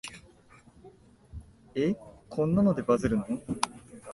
え、こんなのでバズるの？